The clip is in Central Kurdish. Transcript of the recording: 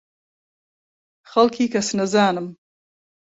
خەڵکی کەسنەزانم.